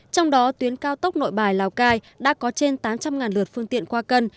trong đó tuyến cao tốc nội bài lào cai đã có trên tám trăm linh lượt phương tiện qua cân